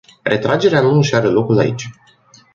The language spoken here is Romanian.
Retragerea nu își are locul aici.